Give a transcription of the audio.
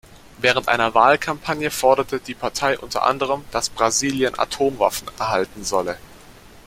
Während einer Wahlkampagne forderte die Partei unter anderem, dass Brasilien Atomwaffen erhalten solle.